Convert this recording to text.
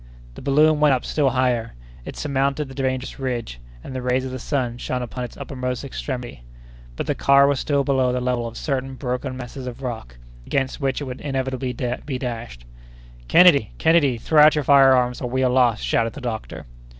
The balloon went up still higher; it surmounted the dangerous ridge, and the rays of the sun shone upon its uppermost extremity; but the car was still below the level of certain broken masses of rock, against which it would inevitably be dashed. "Kennedy! Kennedy! throw out your fire arms, or we are lost!" shouted the doctor.